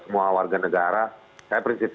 semua warga negara saya prinsip